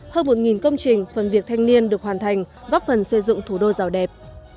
hơn một công trình phần việc thanh niên được hoàn thành góp phần xây dựng thủ đô giàu đẹp